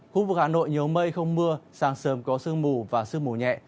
khu vực hà nội nhiều mây không mưa sáng sớm có sương mù và sương mù nhẹ